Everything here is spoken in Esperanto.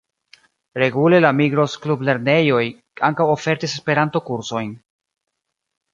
Regule la Migros-Klublernejoj ankaŭ ofertis Esperanto-kursojn.